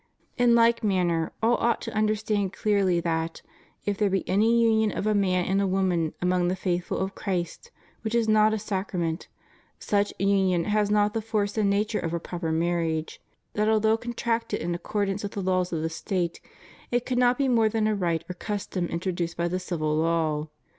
In like manner, all ought to understand clearly that, if there be any union of a man and a woman among the faithful of Christ which is not a sacrament, such union has not the force and nature of a proper marriage; that although contracted in accordance with the laws of the State, it cannot be more than a rite or custom introduced by the civil law.